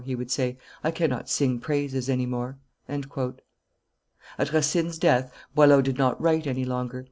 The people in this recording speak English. he would say; "I cannot sing praises any more." At Racine's death Boileau did not write any longer.